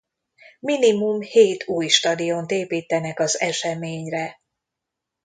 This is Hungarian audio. Minimum hét új stadiont építenek az eseményre.